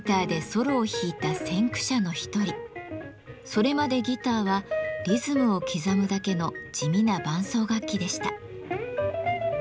それまでギターはリズムを刻むだけの地味な伴奏楽器でした。